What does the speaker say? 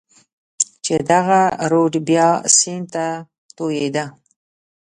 چې دغه رود بیا سیند ته توېېده.